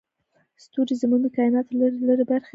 ستوري زموږ د کایناتو لرې لرې برخې ښيي.